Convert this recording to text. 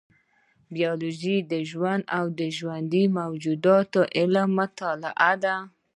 بیولوژي د ژوند او ژوندي موجوداتو علمي مطالعه ده